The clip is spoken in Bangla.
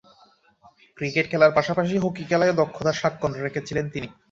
ক্রিকেট খেলার পাশাপাশি হকি খেলায়ও দক্ষতার স্বাক্ষর রেখেছিলেন তিনি।